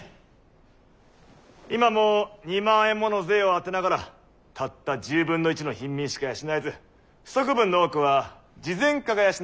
今も２万円もの税を充てながらたった１０分の１の貧民しか養えず不足分の多くは慈善家が養っておる。